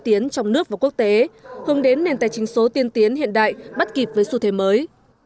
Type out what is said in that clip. tiến trong nước và quốc tế hướng đến nền tài chính số tiên tiến hiện đại bắt kịp với xu thế mới